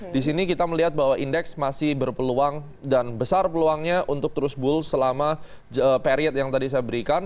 di sini kita melihat bahwa indeks masih berpeluang dan besar peluangnya untuk terus bull selama period yang tadi saya berikan